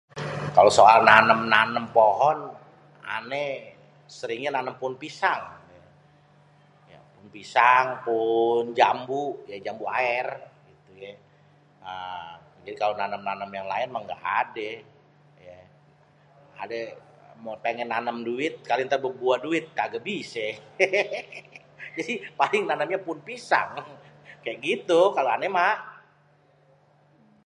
Kalo soal nanem-nanem pohon ané seringnya nanem pohon pisang, pisang, pohon jambu, ya jambu aér aaa Jadi kalo nanem-nanem yang laen itu mah nggak adé. Pengen nanem duit kali nanti berbuah duit kagak bisé [hehe] paling nanemnya pohon pisang, kayak gitu kalo ané mah.